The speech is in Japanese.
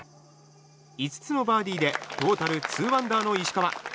５つのバーディーでトータル２アンダーの石川。